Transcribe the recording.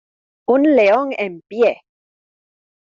¡ un león en pie!...